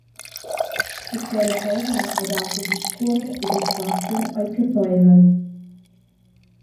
Che quella ovra ha dau da discuorer e da sbatter ei capeivel.